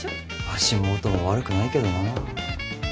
足元も悪くないけどな。